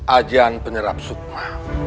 ajian penyerap sukma